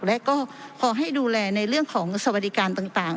และก็พอให้ดูแลในเรื่องของสวัสดิการต่าง